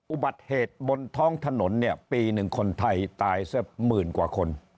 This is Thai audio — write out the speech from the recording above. อุบัติเหตุบนท้องถนนเนี่ยปีหนึ่งคนไทยตายสักหมื่นกว่าคน